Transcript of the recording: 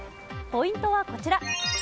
ポイントはこちら。